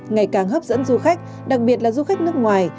ngày càng hấp dẫn du khách đặc biệt là du khách nước ngoài